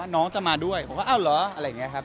ว่าน้องจะมาด้วยผมว่าเอาเหรออะไรอย่างนี้ครับ